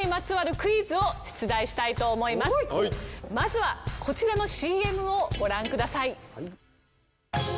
まずはこちらのＣＭをご覧ください。